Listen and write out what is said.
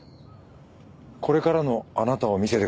これからのあなたを見せてください。